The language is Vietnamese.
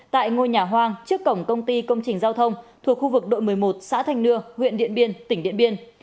tại ngôi nhà hoang trước cổng công ty công trình giao thông thuộc khu vực đội một mươi một xã thanh nưa huyện điện biên tỉnh điện biên